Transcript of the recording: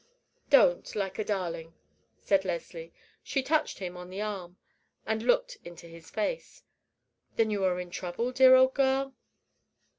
"Don't, like a darling," said Leslie. She touched him on the arm, and looked into his face. "Then, you are in trouble, dear old girl?"